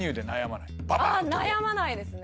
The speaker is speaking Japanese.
あぁ悩まないですね。